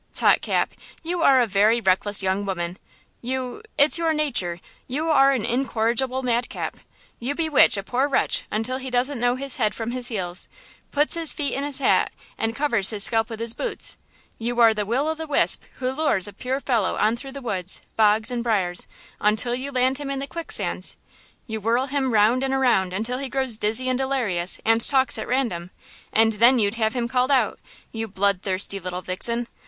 "Tut, Cap! you are a very reckless young woman! You–it's your nature–you are an incorrigible madcap! You bewitch a poor wretch until he doesn't know his head from his heals–puts his feet in his hat and covers his scalp with his boots! You are the will o' the wisp who lures a poor fellow on through the woods, bogs and briars, until you land him in the quicksands! You whirl him round and around until he grows dizzy and delirious, and talks at random, and then you'd have him called out, you blood thirsty little vixen!